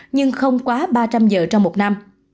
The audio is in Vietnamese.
nhưng không quá ba trăm linh giờ trong một năm